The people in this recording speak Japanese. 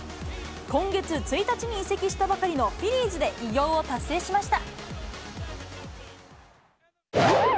今月１日に移籍したばかりのフィリーズで偉業を達成しました。